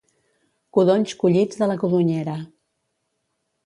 Codonys collits de la codonyera.